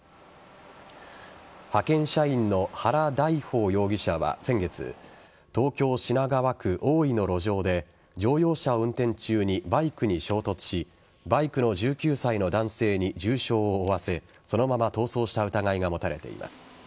派遣社員の原大豊容疑者は先月東京・品川区大井の路上で乗用車を運転中にバイクに衝突しバイクの１９歳の男性に重傷を負わせそのまま逃走した疑いが持たれています。